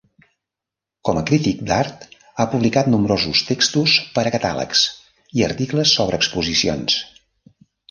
Com a crític d'art ha publicat nombrosos textos per a catàlegs i articles sobre exposicions.